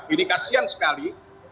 ini kasian sekali